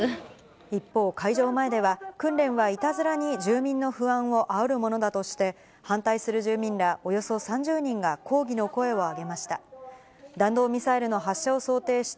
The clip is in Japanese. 一方、会場前では、訓練はいたずらに住民の不安をあおるものだとして、反対する住民らおよそ３０人が抗議の声を上げました。